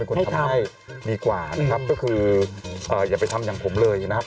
คนทำให้ดีกว่านะครับก็คืออย่าไปทำอย่างผมเลยนะครับ